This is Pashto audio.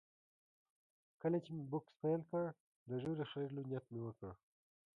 کله چې مې بوکس پیل کړ، د ږیرې خریلو نیت مې وکړ.